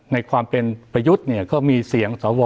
ในความเป็นประยุทธ์เนี่ยก็มีเสียงสว